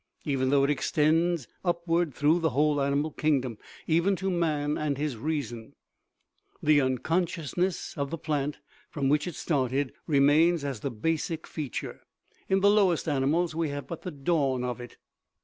Even though it extend upwards through the whole animal kingdom, even to man and his reason, the unconsciousness of the plant, from which it started, remains as the basic feat ure. In the lowest animals we have but the dawn of it."